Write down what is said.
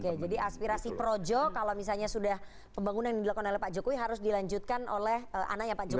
oke jadi aspirasi projo kalau misalnya sudah pembangunan yang dilakukan oleh pak jokowi harus dilanjutkan oleh anaknya pak jokowi